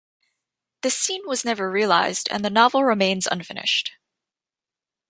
This scene was never realised and the novel remains unfinished.